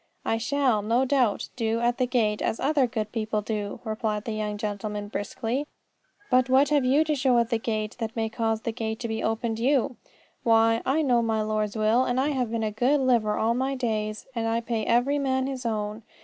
"I shall, no doubt, do at the gate as other good people do," replied the young gentleman briskly. "But what have you to show at the gate that may cause that the gate be opened to you?" "Why, I know my Lord's will, and I have been a good liver all my days, and I pay every man his own.